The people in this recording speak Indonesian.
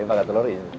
ini pakai telur ini